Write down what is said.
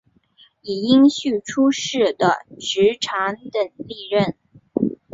以荫叙出仕的直长等历任。